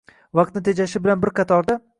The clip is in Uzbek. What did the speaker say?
vaqtni tejashi bilan bir qatorda